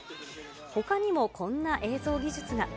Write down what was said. ほかにもこんな映像技術が。